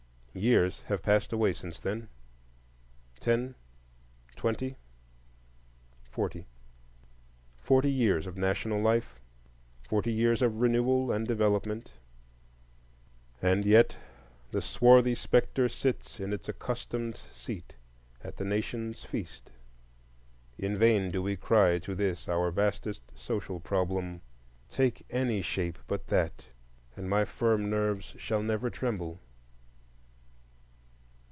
Years have passed away since then,—ten, twenty, forty; forty years of national life, forty years of renewal and development, and yet the swarthy spectre sits in its accustomed seat at the Nation's feast. In vain do we cry to this our vastest social problem:— "Take any shape but that, and my firm nerves Shall never tremble!"